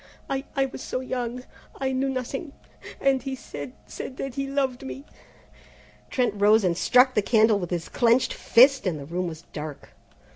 "I I was so young, I knew nothing, and he said said that he loved me " Trent rose and struck the candle with his clenched fist, and the room was dark.